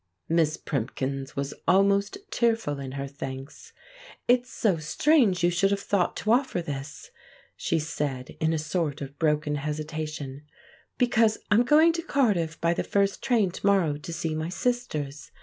Miss Primkins was almost tearful in her thanks. "It's so strange you should have thought to offer this," she said in a sort of broken hesitation, "because I'm going to Cardiff by the first train to morrow to see my sisters.